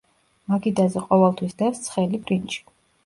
მაგიდაზე ყოველთვის დევს ცხელი ბრინჯი.